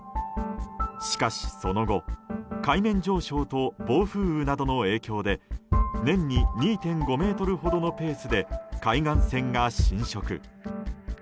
しかし、その後海面上昇と暴風雨などの影響で年に２．５ｍほどのペースで海岸線が浸食。